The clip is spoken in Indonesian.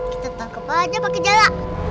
kita tangkap aja pakai zara